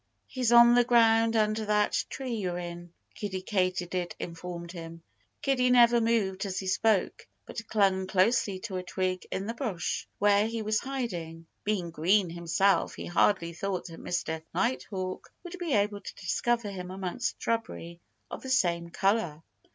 "He's on the ground, under that tree you're in," Kiddie Katydid informed him. Kiddie never moved as he spoke, but clung closely to a twig in the bush where he was hiding. Being green himself, he hardly thought that Mr. Nighthawk would be able to discover him amongst shrubbery of the same color.